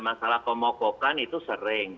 masalah pemokokan itu sering